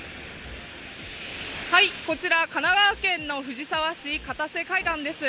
こちら、神奈川県の藤沢市・片瀬海岸です